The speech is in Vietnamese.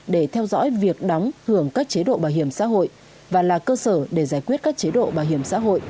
để theo dõi việc đóng hưởng các chế độ bảo hiểm xã hội và là cơ sở để giải quyết các chế độ bảo hiểm xã hội